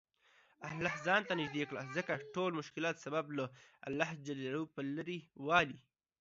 الله ته ځان نیژدې کړه ځکه دټولومشکلاتو سبب له الله ج په لرې والي